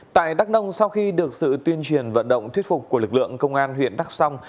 tại đắk nông sau khi được sự tuyên truyền vận động thuyết phục của lực lượng công an huyện đắk song